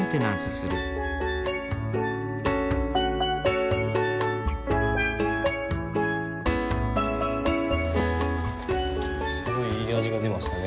すごいいい味が出ましたね。